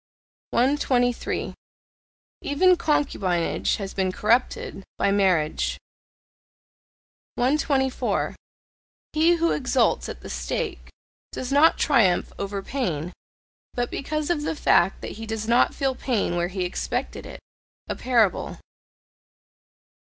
123. Even concubinage has been corrupted by marriage. 124. He who exults at the stake, does not triumph over pain, but because of the fact that he does not feel pain where he expected it. A parable.